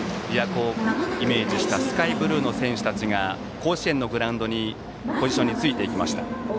琵琶湖をイメージしたスカイブルーの選手たちが甲子園のグラウンドにポジションについていきました。